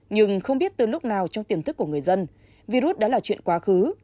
nhưng không biết từ lúc nào trong tiềm thức của người dân virus đã là chuyện quá khứ